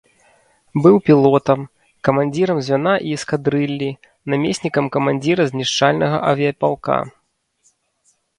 Быў пілотам, камандзірам звяна і эскадрыллі, намеснікам камандзіра знішчальнага авіяпалка.